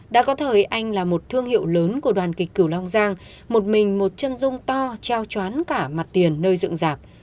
đã có thời anh là một thương hiệu lớn của đoàn kịch cửu long giang một mình một chân rung to treo chóán cả mặt tiền nơi dựng dạp